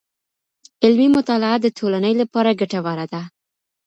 علمي مطالعه د ټولني لپاره ګټوره ده.